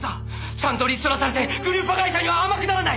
ちゃんとリストラされてグループ会社には天下らない！